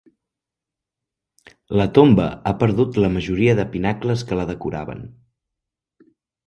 La tomba ha perdut la majoria de pinacles que la decoraven.